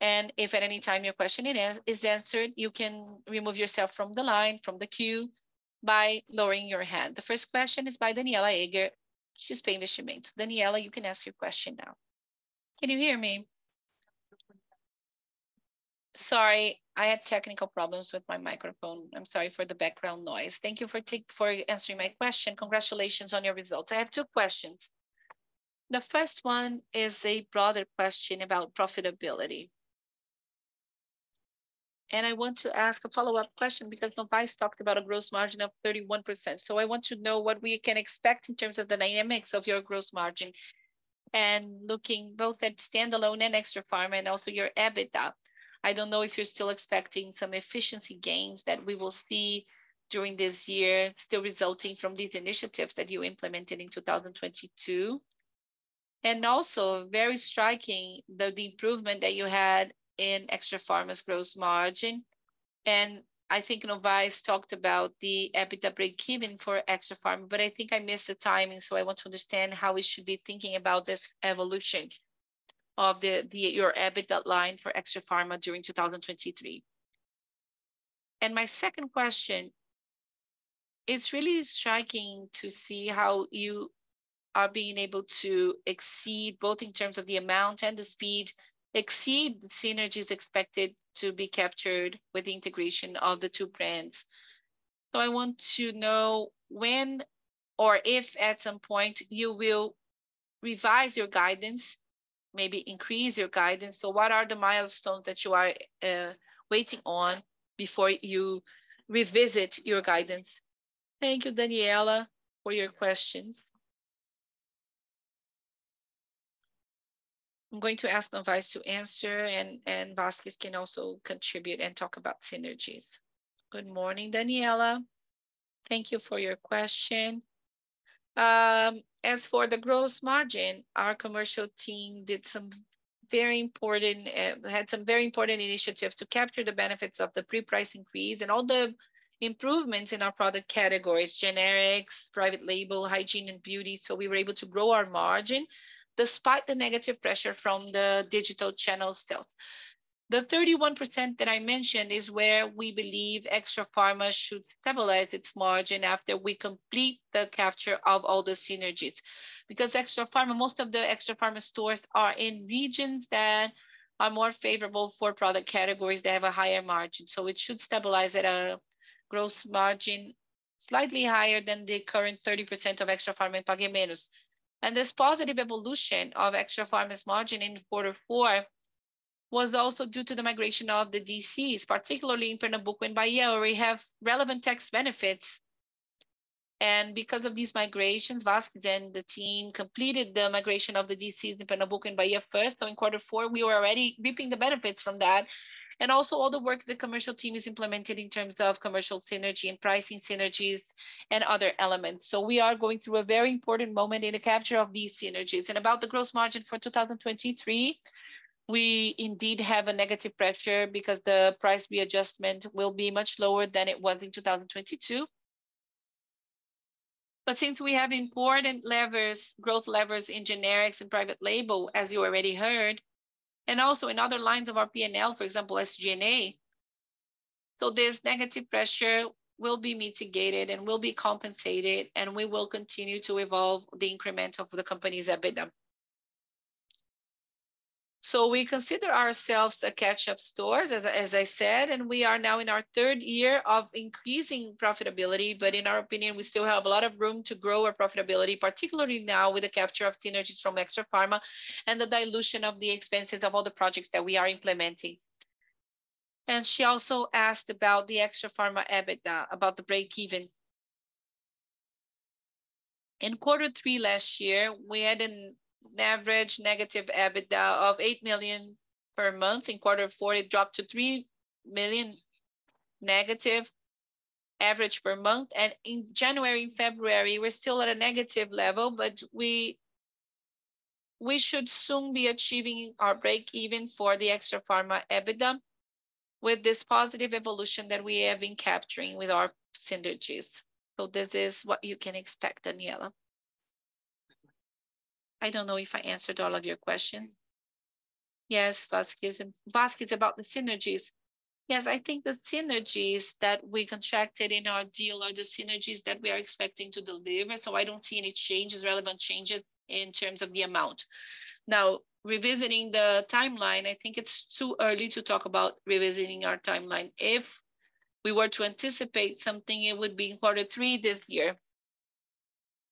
If at any time your question is answered, you can remove yourself from the line, from the queue, by lowering your hand. The first question is by Danniela Eiger, she's from XP. Danniela, you can ask your question now. Can you hear me? Sorry, I had technical problems with my microphone. I'm sorry for the background noise. Thank you for answering my question. Congratulations on your results. I have two questions. The first one is a broader question about profitability. I want to ask a follow-up question because Novais talked about a gross margin of 31%. I want to know what we can expect in terms of the dynamics of your gross margin. Looking both at standalone and Extrafarma and also your EBITDA. I don't know if you're still expecting some efficiency gains that we will see during this year, still resulting from these initiatives that you implemented in 2022. Also very striking, the improvement that you had in Extrafarma's gross margin. I think Novais talked about the EBITDA breakeven for Extrafarma, but I think I missed the timing, so I want to understand how we should be thinking about the, your EBITDA line for Extrafarma during 2023. My second question, it's really striking to see how you are being able to exceed, both in terms of the amount and the speed, exceed the synergies expected to be captured with the integration of the two brands. I want to know when or if at some point you will revise your guidance, maybe increase your guidance. Thank you, Danniela, for your questions. I'm going to ask Novais to answer and Vasquez can also contribute and talk about synergies. Good morning, Danniela. Thank you for your question. As for the gross margin, our commercial team did some very important, had some very important initiatives to capture the benefits of the pre-price increase and all the improvements in our product categories, generics, private label, hygiene and beauty. We were able to grow our margin despite the negative pressure from the digital channel sales. The 31% that I mentioned is where we believe Extrafarma should stabilize its margin after we complete the capture of all the synergies. Extrafarma, most of the Extrafarma stores are in regions that are more favorable for product categories that have a higher margin. It should stabilize at a gross margin slightly higher than the current 30% of Extrafarma and Pague Menos. This positive evolution of Extrafarma's margin in quarter four was also due to the migration of the DCs, particularly in Pernambuco and Bahia, where we have relevant tax benefits. Because of these migrations, Vasquez and the team completed the migration of the DCs in Pernambuco and Bahia first. In quarter four, we were already reaping the benefits from that. Also all the work the commercial team has implemented in terms of commercial synergy and pricing synergies and other elements. We are going through a very important moment in the capture of these synergies. About the gross margin for 2023, we indeed have a negative pressure because the price readjustment will be much lower than it was in 2022. Since we have important levers, growth levers in generics and private label, as you already heard, and also in other lines of our P&L, for example, SG&A. This negative pressure will be mitigated and will be compensated, and we will continue to evolve the increment of the company's EBITDA. We consider ourselves a catch-up stores, as I said, and we are now in our third year of increasing profitability, but in our opinion, we still have a lot of room to grow our profitability, particularly now with the capture of synergies from Extrafarma and the dilution of the expenses of all the projects that we are implementing. She also asked about the Extrafarma EBITDA, about the break-even. In quarter three last year, we had an average negative EBITDA of 8 million per month. In quarter four, it dropped to 3 million negative average per month. In January and February, we're still at a negative level, but we should soon be achieving our break even for the Extrafarma EBITDA with this positive evolution that we have been capturing with our synergies. This is what you can expect, Danniela. I don't know if I answered all of your questions. Yes, Vasquez. Vasquez, about the synergies. Yes, I think the synergies that we contracted in our deal are the synergies that we are expecting to deliver. I don't see any changes, relevant changes in terms of the amount. Now, revisiting the timeline, I think it's too early to talk about revisiting our timeline. If we were to anticipate something, it would be in quarter three this year.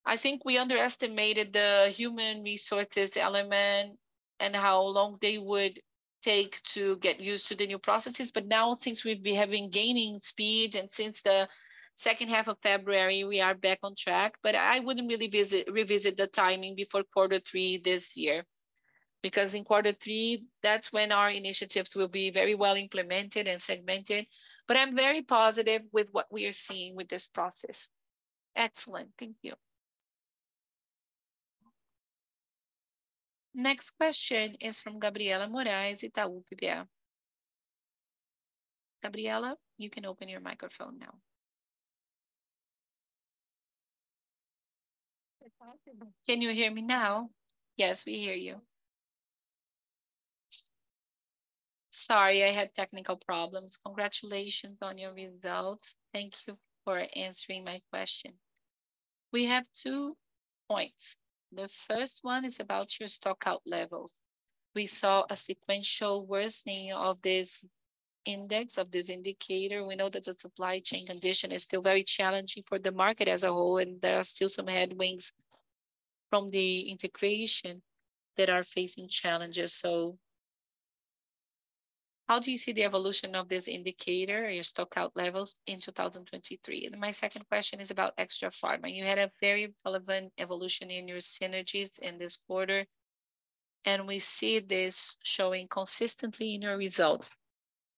I think we underestimated the human resources element and how long they would take to get used to the new processes. Now since we've been gaining speed, and since the second half of February, we are back on track. I wouldn't really revisit the timing before quarter three this year. In quarter three, that's when our initiatives will be very well implemented and segmented. I'm very positive with what we are seeing with this process. Excellent. Thank you. Next question is from Gabriela Moraes, Itaú BBA. Gabriela, you can open your microphone now. Can you hear me now? Yes, we hear you. Sorry, I had technical problems. Congratulations on your results. Thank you for answering my question. We have two points. The first one is about your stock-out levels. We saw a sequential worsening of this index, of this indicator. We know that the supply chain condition is still very challenging for the market as a whole, there are still some headwinds from the integration that are facing challenges. How do you see the evolution of this indicator, your stock-out levels in 2023? My second question is about Extrafarma. You had a very relevant evolution in your synergies in this quarter, and we see this showing consistently in your results.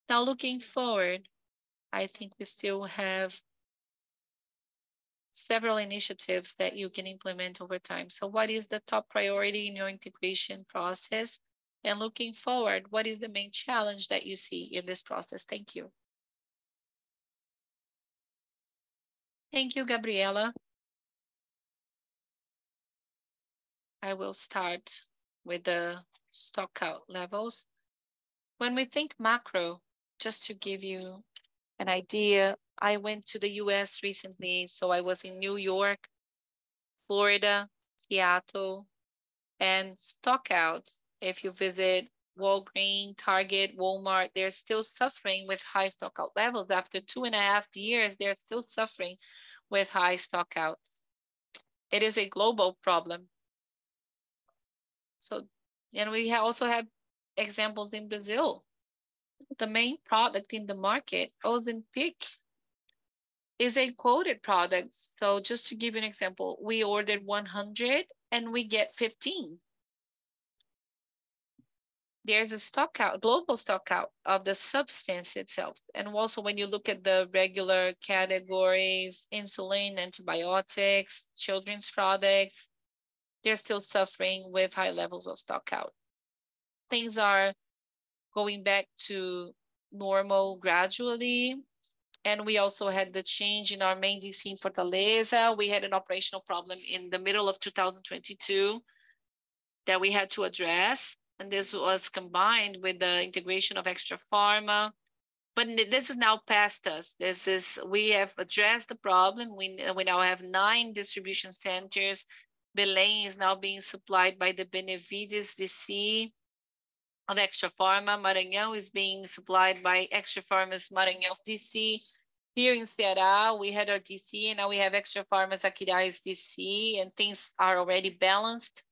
Looking forward, I think we still have several initiatives that you can implement over time. What is the top priority in your integration process? Looking forward, what is the main challenge that you see in this process? Thank you. Thank you, Gabriela. I will start with the stock-out levels. We think macro, just to give you an idea, I went to the U.S. recently, so I was in New York, Florida, Seattle, and stock-outs, if you visit Walgreens, Target, Walmart, they're still suffering with high stock-out levels. After 2.5 years, they're still suffering with high stock-outs. It is a global problem. We also have examples in Brazil. The main product in the market, Ozempic, is a quoted product. Just to give you an example, we ordered 100, and we get 15. There's a stock-out, global stock-out of the substance itself. Also when you look at the regular categories, insulin, antibiotics, children's products, they're still suffering with high levels of stock-out. Things are going back to normal gradually, and we also had the change in our main DC in Fortaleza. We had an operational problem in the middle of 2022 that we had to address. This was combined with the integration of Extrafarma. This is now past us. This is. We have addressed the problem. We now have nine distribution centers. Belém is now being supplied by the Benevides DC of Extrafarma. Maranhão is being supplied by Extrafarma's Maranhão DC. Here in Ceará, we had our DC, now we have Extrafarma's Aquiraz DC. Things are already balanced.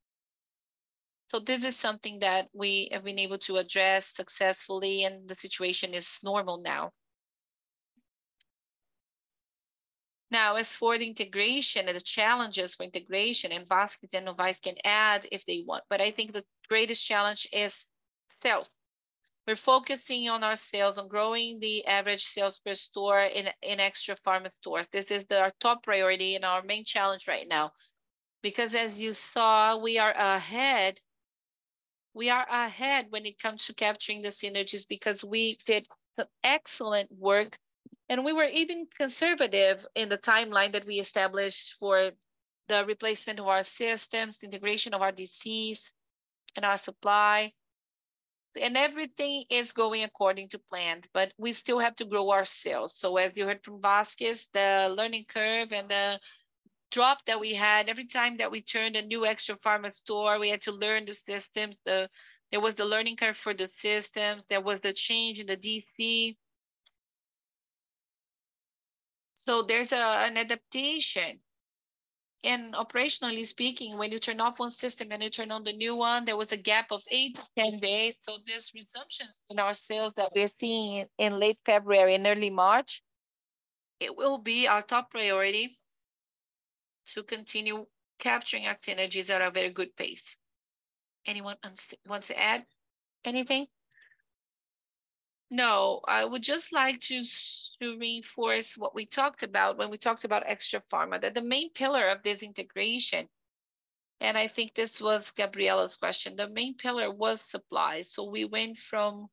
This is something that we have been able to address successfully. The situation is normal now. As for the integration and the challenges for integration, Vasquez and Novais can add if they want. I think the greatest challenge is sales. We're focusing on our sales and growing the average sales per store in Extrafarma stores. This is our top priority and our main challenge right now. As you saw, we are ahead when it comes to capturing the synergies because we did excellent work, and we were even conservative in the timeline that we established for the replacement of our systems, the integration of our DCs and our supply. Everything is going according to plan, but we still have to grow our sales. As you heard from Vasquez, the learning curve and the drop that we had, every time that we turned a new Extrafarma store, we had to learn the systems. There was the learning curve for the systems. There was the change in the DC. There's an adaptation. Operationally speaking, when you turn off one system and you turn on the new one, there was a gap of eight to 10 days. This reduction in our sales that we're seeing in late February and early March, it will be our top priority to continue capturing our synergies at a very good pace. Anyone wants to add anything? I would just like to reinforce what we talked about when we talked about Extrafarma. The main pillar of this integration, and I think this was Gabriela's question, the main pillar was supply. We went from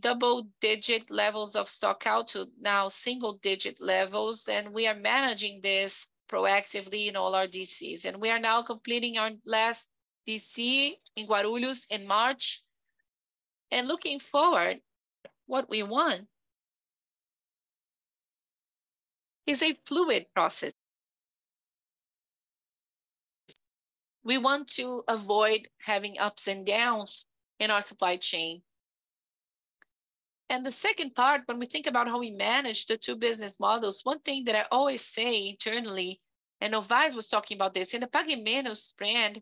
double-digit levels of stock out to now single-digit levels, and we are managing this proactively in all our DCs, and we are now completing our last DC in Guarulhos in March. Looking forward, what we want is a fluid process. We want to avoid having ups and downs in our supply chain. The second part, when we think about how we manage the two business models, one thing that I always say internally, Novais was talking about this, in the Pague Menos brand,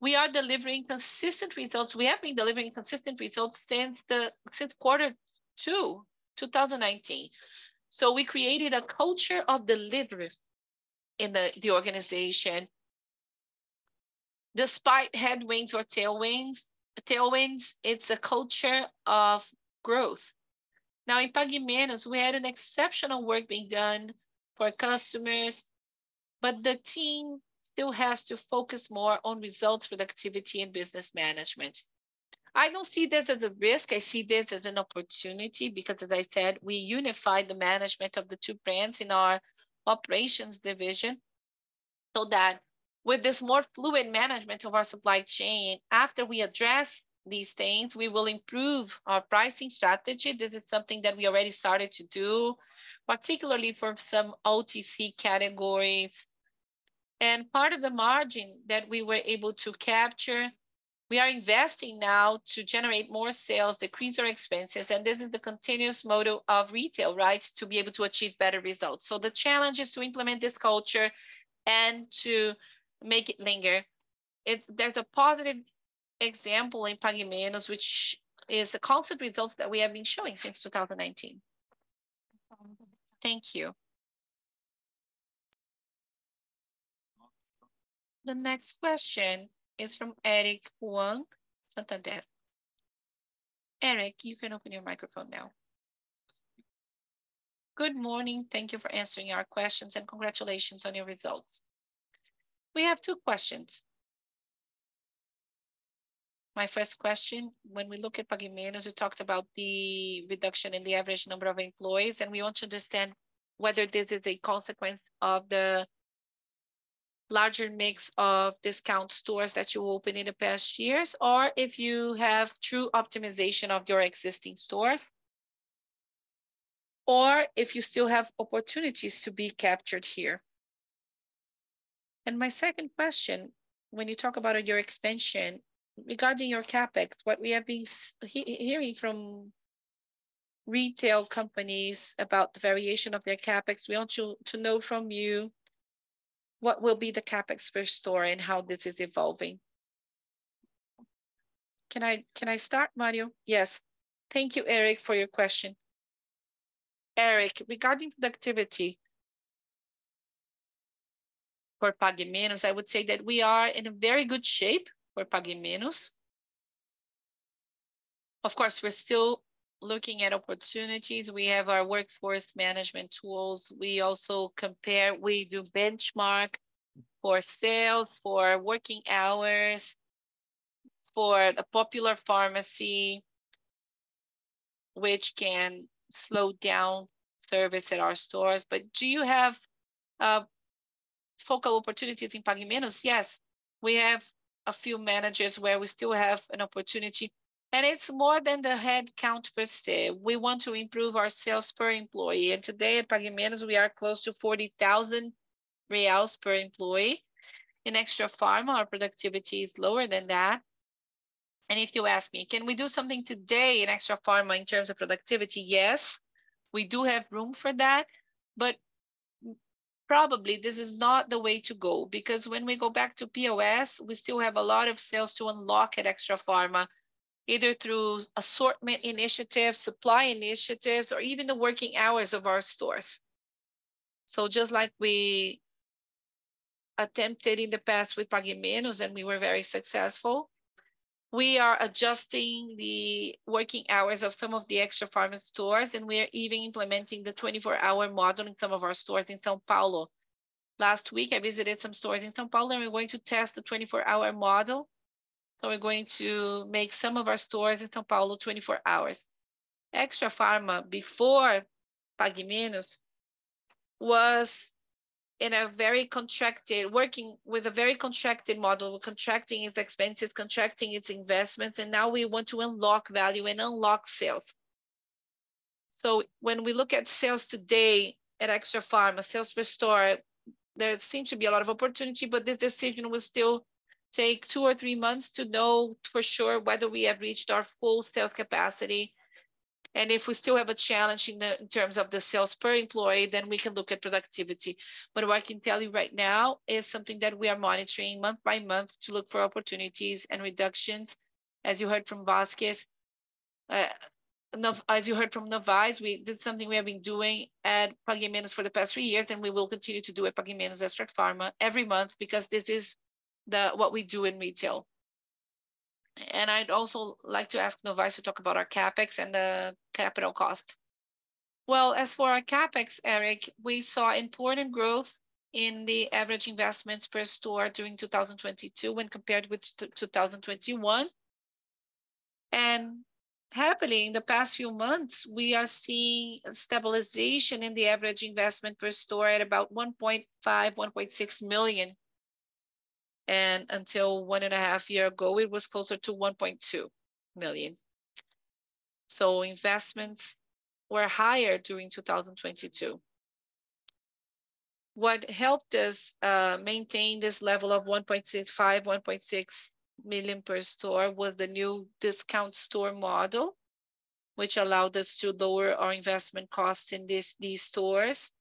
we are delivering consistent results. We have been delivering consistent results since the fifth quarter to 2019. We created a culture of delivery in the organization. Despite headwinds or tailwinds, it's a culture of growth. In Pague Menos we had an exceptional work being done for customers, but the team still has to focus more on results productivity and business management. I don't see this as a risk, I see this as an opportunity, because as I said, we unified the management of the two brands in our operations division, so that with this more fluid management of our supply chain, after we address these things, we will improve our pricing strategy. This is something that we already started to do, particularly for some OTC categories. Part of the margin that we were able to capture, we are investing now to generate more sales, decrease our expenses, and this is the continuous model of retail, right? To be able to achieve better results. The challenge is to implement this culture and to make it linger. There's a positive example in Pague Menos, which is a concept result that we have been showing since 2019. Thank you. The next question is from Eric Huang, Santander. Eric, you can open your microphone now. Good morning. Thank you for answering our questions, and congratulations on your results. We have two questions. My first question, when we look at Pague Menos, you talked about the reduction in the average number of employees, and we want to understand whether this is a consequence of the larger mix of discount stores that you opened in the past years, or if you have true optimization of your existing stores, or if you still have opportunities to be captured here. My second question, when you talk about your expansion, regarding your CapEx, what we have been hearing from retail companies about the variation of their CapEx, we want to know from you what will be the CapEx per store and how this is evolving. Can I start, Mário? Yes. Thank you, Eric, for your question. Eric, regarding productivity for Pague Menos, I would say that we are in a very good shape for Pague Menos. Of course, we're still looking at opportunities. We have our workforce management tools. We also compare, we do benchmark for sale, for working hours, for the Farmácia Popular, which can slow down service at our stores. Do you have focal opportunities in Pague Menos? Yes. We have a few managers where we still have an opportunity, and it's more than the head count per se. We want to improve our sales per employee, and today at Pague Menos, we are close to 40,000 reais per employee. In Extrafarma, our productivity is lower than that. If you ask me, can we do something today in Extrafarma in terms of productivity? Yes, we do have room for that, but probably this is not the way to go. When we go back to POS, we still have a lot of sales to unlock at Extrafarma, either through assortment initiatives, supply initiatives, or even the working hours of our stores. Just like we attempted in the past with Pague Menos, and we were very successful, we are adjusting the working hours of some of the Extrafarma stores, and we are even implementing the 24-hour model in some of our stores in São Paulo. Last week I visited some stores in São Paulo, and we're going to test the 24-hour model. We're going to make some of our stores in São Paulo 24 hours. Extrafarma, before Pague Menos, was working with a very contracted model. Contracting its expenses, contracting its investment, and now we want to unlock value and unlock sales. When we look at sales today at Extrafarma, sales per store, there seems to be a lot of opportunity, but this decision will still take two or three months to know for sure whether we have reached our full sales capacity. If we still have a challenge in terms of the sales per employee, then we can look at productivity. What I can tell you right now is something that we are monitoring month by month to look for opportunities and reductions. As you heard from Novais, that's something we have been doing at Pague Menos for the past three years, and we will continue to do at Pague Menos Extrafarma every month, because this is what we do in retail. I'd also like to ask Novais to talk about our CapEx and the capital cost. As for our CapEx, Eric, we saw important growth in the average investments per store during 2022 when compared with 2021. Happily, in the past few months, we are seeing stabilization in the average investment per store at about 1.5 million-1.6 million. Until 1.5 years ago, it was closer to 1.2 million. Investments were higher during 2022. What helped us maintain this level of 1.65 million, 1.6 million per store was the new discount store model, which allowed us to lower our investment costs in these stores,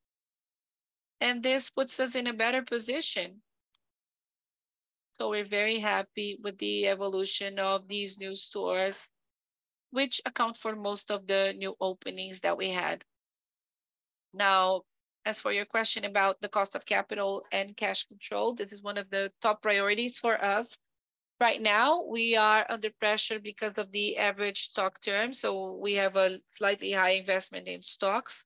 and this puts us in a better position. We're very happy with the evolution of these new stores, which account for most of the new openings that we had. As for your question about the cost of capital and cash control, this is one of the top priorities for us. Right now, we are under pressure because of the average stock terms, so we have a slightly high investment in stocks.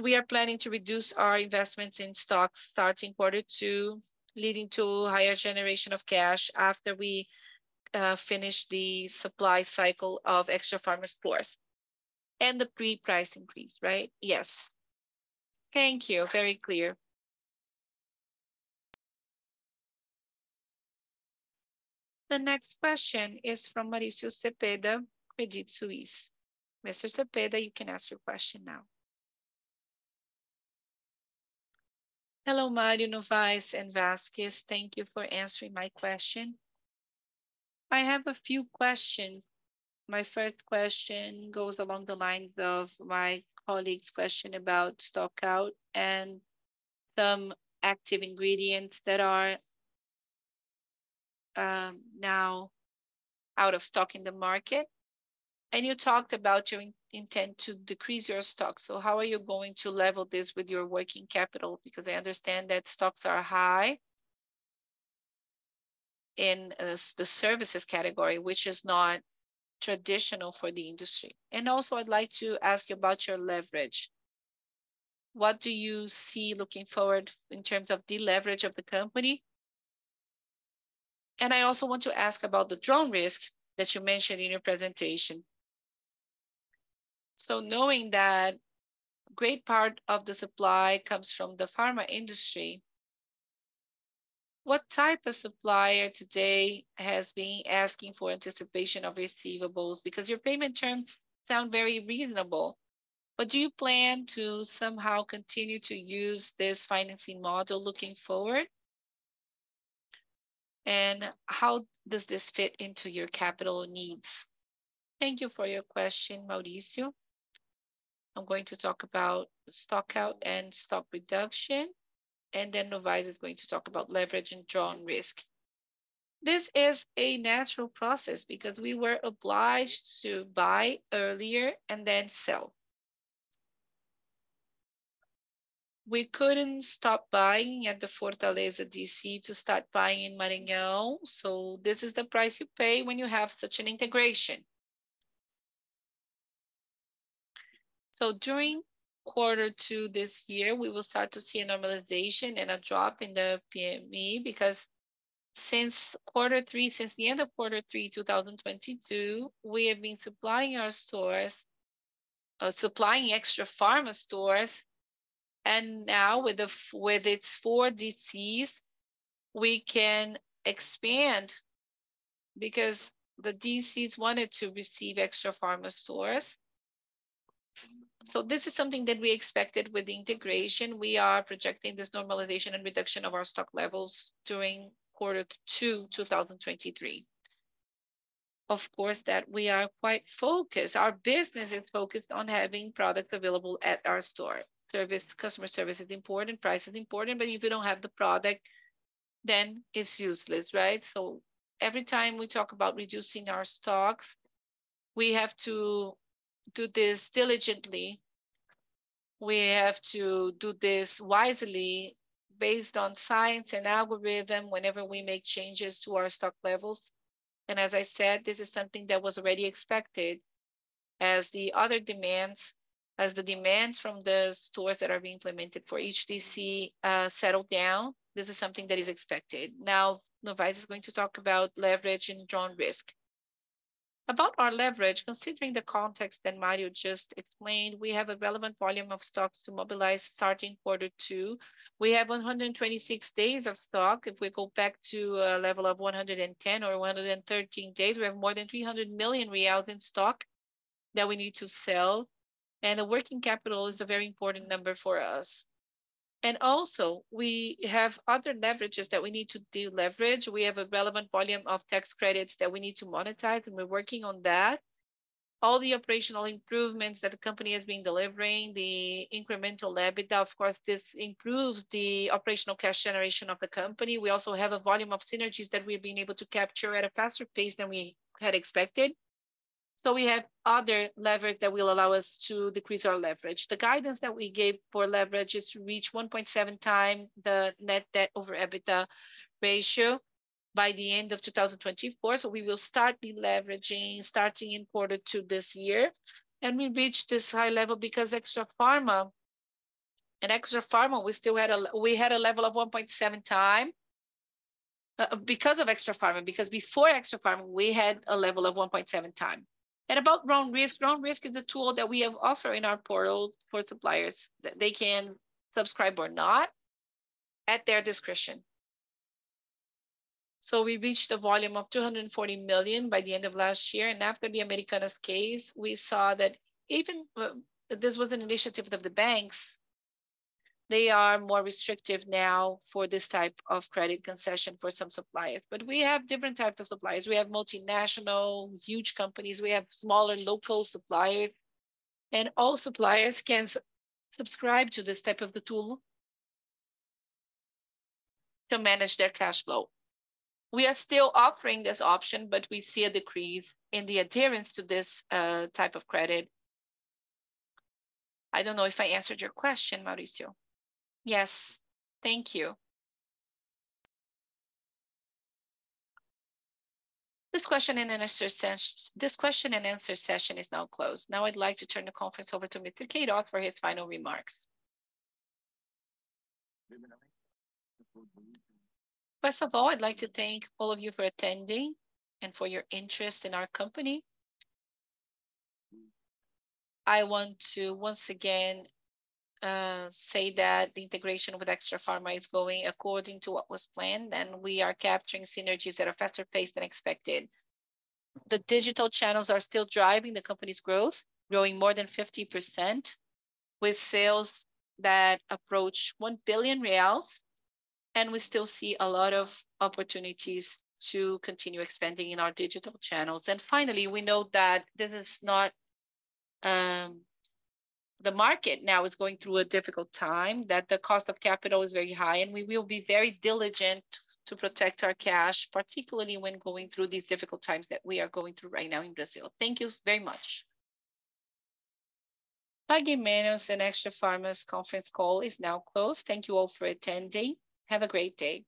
We are planning to reduce our investments in stocks starting quarter two, leading to higher generation of cash after we finish the supply cycle of Extrafarma stores. The pre-price increase, right? Yes. Thank you. Very clear. The next question is from Maurício Cepeda, Credit Suisse. Mr. Cepeda, you can ask your question now. Hello, Mário, Novais and Vasquez. Thank you for answering my question. I have a few questions. My first question goes along the lines of my colleague's question about stock-out and some active ingredients that are now out of stock in the market. You talked about your intent to decrease your stock. How are you going to level this with your working capital? Because I understand that stocks are high in the services category, which is not traditional for the industry. Also, I'd like to ask about your leverage. What do you see looking forward in terms of the leverage of the company? I also want to ask about the drawn risk that you mentioned in your presentation. Knowing that great part of the supply comes from the pharma industry, what type of supplier today has been asking for anticipation of receivables? Because your payment terms sound very reasonable. Do you plan to somehow continue to use this financing model looking forward? How does this fit into your capital needs? Thank you for your question, Maurício. I'm going to talk about stock-out and stock reduction, and then Novais is going to talk about leverage and drawn risk. This is a natural process because we were obliged to buy earlier and then sell. We couldn't stop buying at the Fortaleza DC to start buying in Maranhão, so this is the price you pay when you have such an integration. During quarter two this year, we will start to see a normalization and a drop in the PME, because since quarter three, since the end of quarter three 2022, we have been supplying our stores, supplying Extrafarma stores. Now with its four DCs, we can expand because the DCs wanted to receive Extrafarma stores. This is something that we expected with the integration. We are projecting this normalization and reduction of our stock levels during 2Q 2023. Of course, that we are quite focused. Our business is focused on having products available at our stores. Service, customer service is important, price is important, but if you don't have the product, then it's useless, right? Every time we talk about reducing our stocks, we have to do this diligently. We have to do this wisely based on science and algorithm whenever we make changes to our stock levels. As I said, this is something that was already expected. As the other demands, as the demands from the store that are being implemented for HDF, settle down, this is something that is expected. Now, Novais is going to talk about leverage and drawn risk. About our leverage, considering the context that Mário just explained, we have a relevant volume of stocks to mobilize starting quarter two. We have 126 days of stock. If we go back to a level of 110 or 113 days, we have more than 300 million reais in stock that we need to sell, and the working capital is a very important number for us. Also, we have other leverages that we need to deleverage. We have a relevant volume of tax credits that we need to monetize, and we're working on that. All the operational improvements that the company has been delivering, the incremental EBITDA, of course, this improves the operational cash generation of the company. We also have a volume of synergies that we've been able to capture at a faster pace than we had expected. We have other leverage that will allow us to decrease our leverage. The guidance that we gave for leverage is to reach 1.7x the net debt over EBITDA ratio by the end of 2024. We will start deleveraging starting in Q2 this year. We reached this high level because at Extrafarma, we still had a level of 1.7x because of Extrafarma, because before Extrafarma, we had a level of 1.7x. About drawn risk, drawn risk is a tool that we have offered in our portal for suppliers that they can subscribe or not at their discretion. We reached a volume of 240 million by the end of last year, and after the Americanas case, we saw that even this was an initiative of the banks. They are more restrictive now for this type of credit concession for some suppliers. We have different types of suppliers. We have multinational, huge companies. We have smaller local supplier. All suppliers can subscribe to this type of the tool to manage their cash flow. We are still offering this option, but we see a decrease in the adherence to this type of credit. I don't know if I answered your question, Maurício. Yes. Thank you. This question and answer session is now closed. Now I'd like to turn the conference over to Mr. Queirós for his final remarks. First of all, I'd like to thank all of you for attending and for your interest in our company. I want to once again say that the integration with Extrafarma is going according to what was planned, and we are capturing synergies that are faster paced than expected. The digital channels are still driving the company's growth, growing more than 50% with sales that approach 1 billion reais, and we still see a lot of opportunities to continue expanding in our digital channels. Finally, we know that market now is going through a difficult time, that the cost of capital is very high, and we will be very diligent to protect our cash, particularly when going through these difficult times that we are going through right now in Brazil. Thank you very much. Pague Menos and Extrafarma's conference call is now closed. Thank you all for attending. Have a great day.